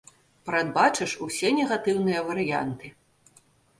Прадбачыш усе негатыўныя варыянты.